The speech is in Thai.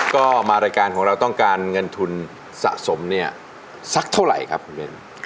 ก็มารายการของเราต้องการเงินทุนสะสมเนี่ยสักเท่าไหร่ครับคุณเบน